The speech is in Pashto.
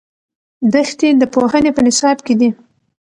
دښتې د پوهنې په نصاب کې دي.